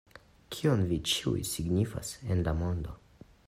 Kion vi ĉiuj signifas en la mondo?